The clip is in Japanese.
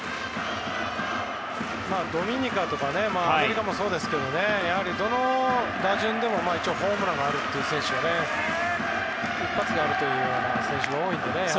ドミニカとかアメリカもそうですけどやはり、どの打順でもホームランがあるという選手一発がある選手が多いので。